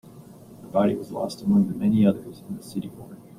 Her body was lost among the many others in the city morgue.